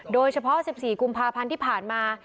โดยเฉพาะ๑๔กุมภาพันธ์ที่ผ่านมา